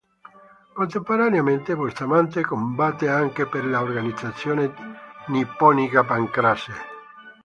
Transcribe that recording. Contemporaneamente Bustamante combatte anche per l'organizzazione nipponica Pancrase.